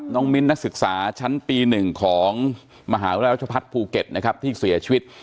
น้องมิ้นนักศึกษาชั้นปีหนึ่งของมหาวิทยาลัยรัชภัฐภูเก็ตที่เสียชีวิต